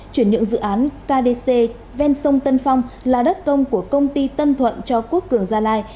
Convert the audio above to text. chuyển nhượng dự án kdc ven song tân phong là đất công của công ty tân phong